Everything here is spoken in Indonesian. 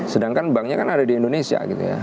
sedangkan banknya kan ada di indonesia gitu ya